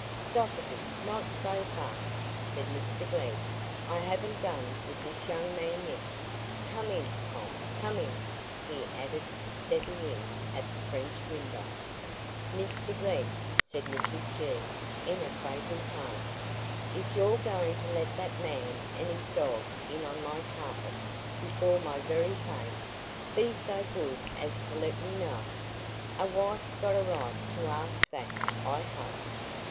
"Stop a bit; not so fast," said Mr Glegg; "I haven't done with this young man yet. Come in, Tom; come in," he added, stepping in at the French window. "Mr Glegg," said Mrs G., in a fatal tone, "if you're going to let that man and his dog in on my carpet, before my very face, be so good as to let me know. A wife's got a right to ask that, I hope."